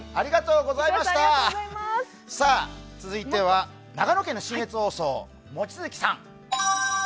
続いては、長野県の信越放送望月さん。